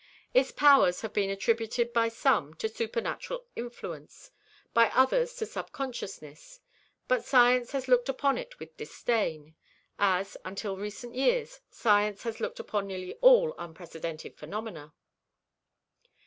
Its powers have been attributed by some to supernatural influence, by others to subconsciousness, but science has looked upon it with disdain, as, until recent years, science has looked upon nearly all unprecedented phenomena.